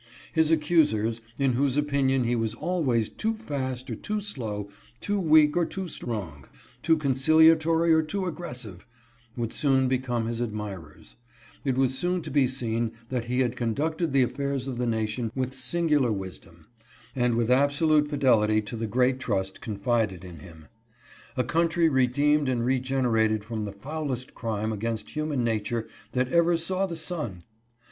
His accusers, in whose opinion he was always too fast or too slow, too weak or too strong, too conciliatory or too aggressive, would soon become his admirers ; it was soon to be seen that he had conducted the affairs of the nation with singular wisdom, and with absolute fidelity to the great trust confided in him. A country redeemed and regenerated from the foulest crime against human nature that ever saw the sun!